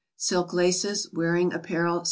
silk laces, wearing ap parel, 60.